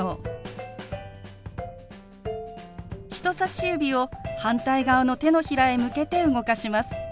人さし指を反対側の手のひらへ向けて動かします。